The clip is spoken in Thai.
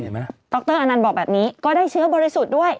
เห็นไหมดรอันนันบอกแบบนี้ก็ได้เชื้อบริสุทธิ์ด้วย